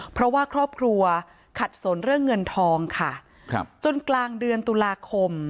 เพราะว่าครอบครัวขัดสนเรื่องเงินทองค่ะครับจนกลางเดือนตุลาคม